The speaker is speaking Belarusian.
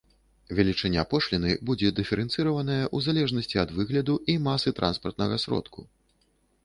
Велічыня пошліны будзе дыферэнцыраваная ў залежнасці ад выгляду і масы транспартнага сродку.